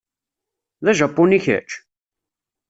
D ajapuni kečč?